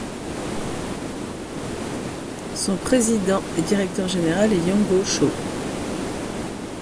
Son président et directeur général est Yang-ho Cho.